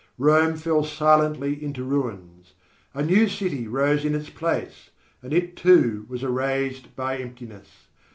Rome fell silently into ruins. A new city rose in its place, and it too was erased by emptiness.